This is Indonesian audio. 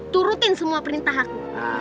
turutin semua perintah aku